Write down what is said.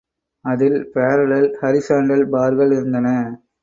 அதில், parallel, horizontal பார்கள் இருந்தன.